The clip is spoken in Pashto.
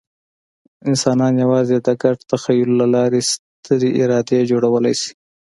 انسانان یواځې د ګډ تخیل له لارې سترې ادارې جوړولی شي.